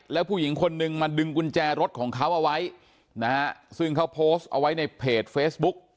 แล้วผู้หญิงคนนึงมาดึงกุญแจรถของเขาเอาไว้นะฮะซึ่งเขาโพสต์เอาไว้ในเพจเฟซบุ๊ก